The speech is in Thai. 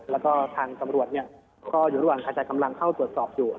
แล้วก็ทางตำรวจก็อยู่ดวงศักดิ์กำลังเข้าตรวจสอบอยู่